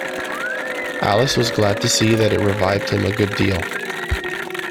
Alice was glad to see that it revived him a good deal.